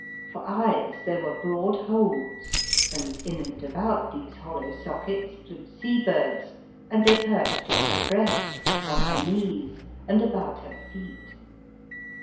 For eyes there were broad holes, and in and about these hollow sockets flew sea birds, and they perched on her breasts, on her knees, and about her feet.